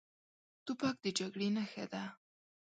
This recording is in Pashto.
توپک د جګړې نښه ده.